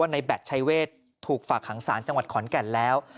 ในแบตชัยเวทถูกฝากหางศาลจังหวัดขอนแก่นแล้ว